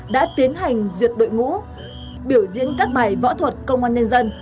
đã tiến hành duyệt đội ngũ biểu diễn các bài võ thuật công an nhân dân